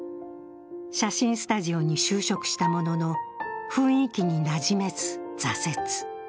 写真スタジオに就職したものの雰囲気になじめず挫折。